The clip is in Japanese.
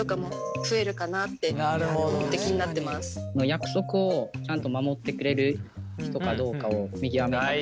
約束をちゃんと守ってくれる人かどうかを見極めたくて。